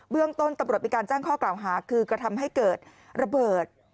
เรื่องต้นตำรวจมีการแจ้งข้อกล่าวหาคือกระทำให้เกิดระเบิด